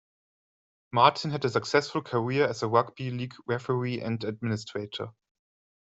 Martin had a successful career as a rugby league referee and administrator.